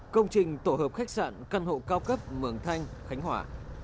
công trình tổ hợp khách sạn căn hộ cao cấp mường thanh khánh hòa